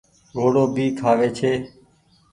گھوڙو ڀي کآوي ڇي۔